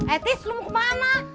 etis lu mau kemana